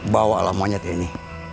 bawalah monyet ini